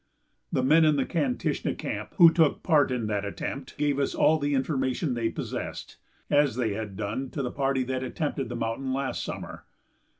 The men in the Kantishna camp who took part in that attempt gave us all the information they possessed, as they had done to the party that attempted the mountain last summer.